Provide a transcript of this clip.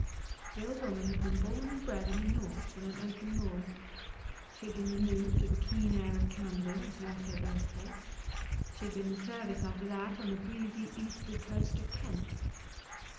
The old woman had been born and bred in the North, on an open moor. She had been removed to the keen air of Canada when she left her birthplace. She had been in service after that, on the breezy eastward coast of Kent.